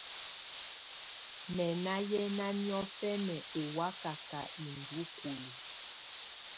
Mɛ̀ nà yɛna niɔ̀fɛna ɔ́ wakaka idukulu.